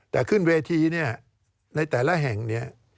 แต่ขึ้นเวทีเนี่ยในแต่ละแห่งเนี่ย